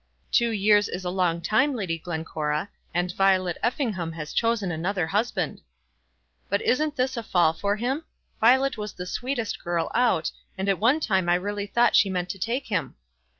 "Two years is a long time, Lady Glencora; and Violet Effingham has chosen another husband." "But isn't this a fall for him? Violet was the sweetest girl out, and at one time I really thought she meant to take him."